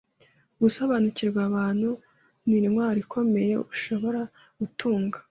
Gusobanukirwa abantu nintwaro ikomeye ushobora gutunga.